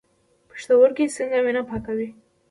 پښتورګي څنګه وینه پاکوي؟